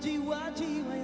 tidak satu pun jelasmu